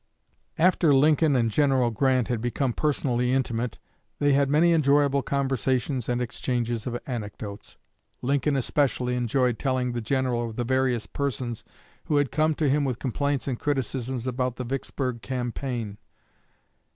After Lincoln and General Grant had become personally intimate, they had many enjoyable conversations and exchanges of anecdotes. Lincoln especially enjoyed telling the General of the various persons who had come to him with complaints and criticisms about the Vicksburg campaign.